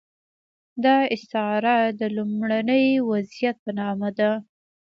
دا استعاره د لومړني وضعیت په نامه ده.